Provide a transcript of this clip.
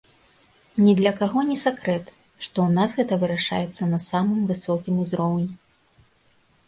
Ні для каго не сакрэт, што ў нас гэта вырашаецца на самым высокім узроўні.